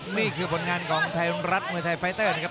นี่คือผลงานของไทยรัฐมวยไทยไฟเตอร์นะครับ